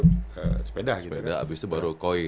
ke sepeda gitu kan sepeda abis itu baru koi